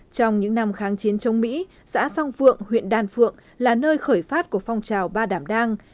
trong những năm kháng chiến chống mỹ xã song phượng huyện đan phượng là nơi khởi phát của phong trào ba đảm đang